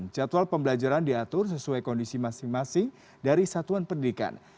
jadwal pembelajaran diatur sesuai kondisi masing masing dari satuan pendidikan